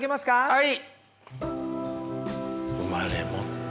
はい。